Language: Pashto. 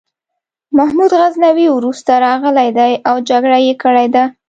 محمود غزنوي وروسته راغلی دی او جګړه یې کړې ده.